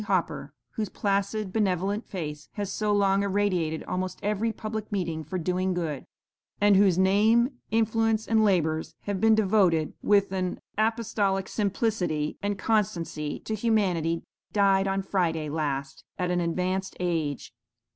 Hopper, whose placid, benevolent face has so long irradiated almost every public meeting for doing good, and whose name, influence, and labors, have been devoted with an apostolic simplicity and constancy to humanity, died on Friday last, at an advanced age.